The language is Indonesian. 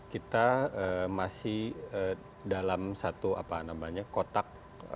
kita masih dalam satu apa namanya kotak